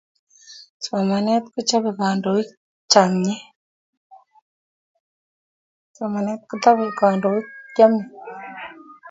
somanet kochobei kandoik chemyee